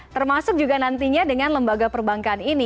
termasuk juga nantinya dengan lembaga perbankan ini